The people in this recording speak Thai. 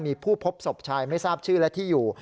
มีผู้พบศพชายไม่ทราบชื่อและที่อยู่